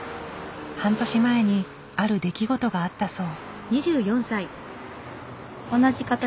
半年前にある出来事があったそう。